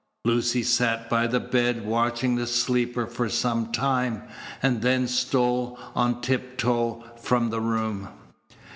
Lucy sat by the bed watching the sleeper for some time, and then stole on tip toe from the room.